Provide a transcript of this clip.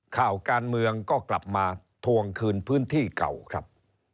ข่าวการเมืองก็กลับมาทวงคืนพื้นที่เก่าครับ